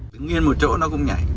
đứng yên một chỗ nó cũng nhảy